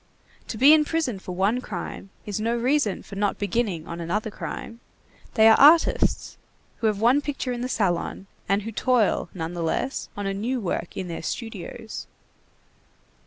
To be in prison for one crime is no reason for not beginning on another crime. They are artists, who have one picture in the salon, and who toil, nonetheless, on a new work in their studios.